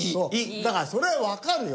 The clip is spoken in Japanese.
だからそれはわかるよ。